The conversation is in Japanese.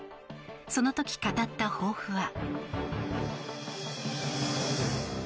その時、語った抱負は。